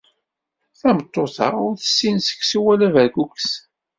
Tameṭṭut-a, ur tessin seksu, wala berkukes